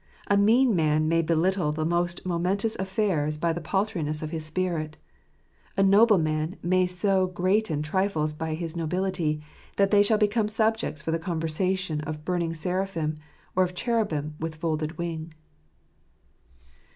A mean man may belittle the most momentous affairs by the paltriness of his spirit. A noble man may so greaten trifles by his nobility, that they shall become subjects for the conversation of burning seraphim, or of cherubim with folded wing.